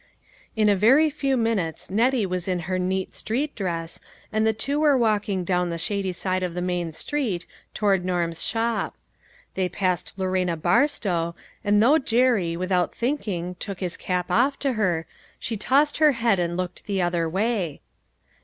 In a very few minutes Nettie was in her neat street dress, and the two were walking down the shady side of the main street, toward Norm's shop. They passed Lorena Barstow, and though Jerry, without thinking, took off his cap to her, she tossed her head and looked the other way.